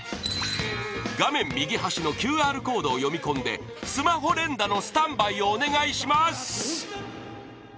画面右端のＱＲコードを読み込んでスマホ連打のスタンバイをお願いします